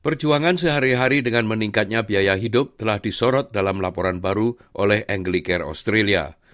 perjuangan sehari hari dengan meningkatnya biaya hidup telah disorot dalam laporan baru oleh anglicare austria